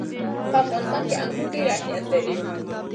په افغانستان کې انګور ډېر اهمیت لري.